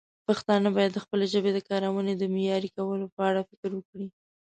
پښتانه باید د خپلې ژبې د کارونې د معیاري کولو په اړه فکر وکړي.